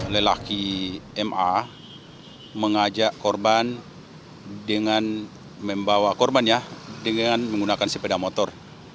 lelaki ma mengajak korban dengan membawa korbannya dengan menggunakan sepeda motor